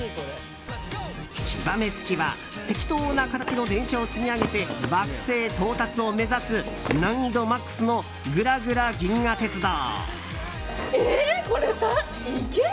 極めつけは、てきとな形の電車を積み上げて惑星到達を目指す難易度マックスの「ぐらぐら銀河鉄道」。